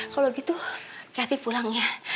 kalau gitu kehatin pulang ya